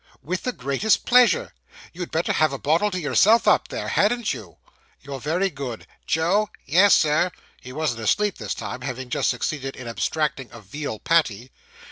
'With the greatest pleasure.' 'You'd better have a bottle to yourself up there, hadn't you?' 'You're very good.' 'Joe!' 'Yes, Sir.' (He wasn't asleep this time, having just succeeded in abstracting a veal patty.)